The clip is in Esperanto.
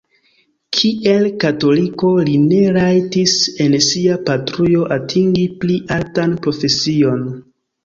Kiel katoliko li ne rajtis en sia patrujo atingi pli altan profesion.